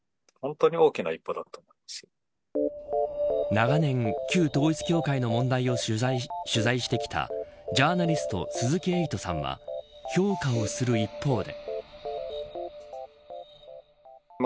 長年、旧統一教会の問題を取材してきたジャーナリスト鈴木エイトさんは評価をする一方で。